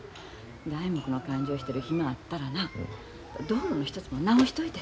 材木の勘定してる暇あったらな道路の一つも直しといで。